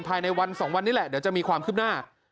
ภายในวัน๒วันนี้แหละเดี๋ยวจะมีความคืบหน้า